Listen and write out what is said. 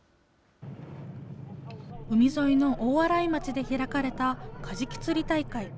海沿いの大洗町で開かれたカジキ釣り大会。